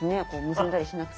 結んだりしなくて。